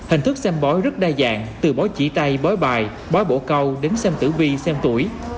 hình thức xem bói rất đa dạng từ bói chỉ tay bói bài bói bổ câu đến xem tử vi xem tuổi